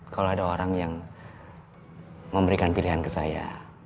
kalau ada orang yang memberikan pilihan ke saya